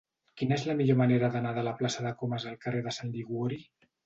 Quina és la millor manera d'anar de la plaça de Comas al carrer de Sant Liguori?